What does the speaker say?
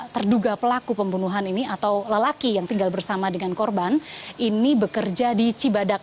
terduga pelaku pembunuhan ini atau lelaki yang tinggal bersama dengan korban ini bekerja di cibadak